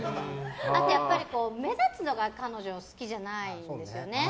あと、目立つのが彼女は好きじゃないんですよ。